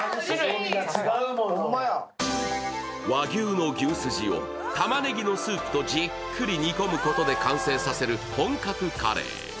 和牛の牛すじをたまねぎのスープとじっくりと煮込むことで完成させる本格カレー。